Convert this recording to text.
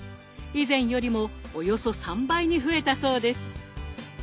以前よりもおよそ３倍に増えたそうです。